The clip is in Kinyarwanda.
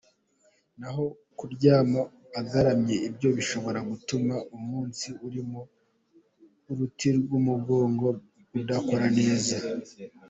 Naho kuryama agaramye byo bishobora gutuma umutsi uri mu ruti rw’umugongo udakora neza.